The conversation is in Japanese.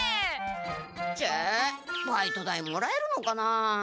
ちぇっバイト代もらえるのかな。